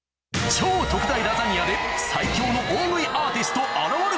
超特大ラザニアで、最強の大食いアーティスト現る。